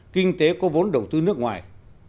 kinh tế có vốn đầu tư nước ngoài